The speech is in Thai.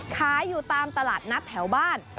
ขายอยู่ตามตลาดนัดแถวบ้าน